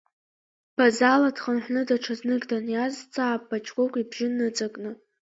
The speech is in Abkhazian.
Базала дхынҳәны даҽазнык даниазҵаа Паҷкәыкә ибжьы ныҵакны.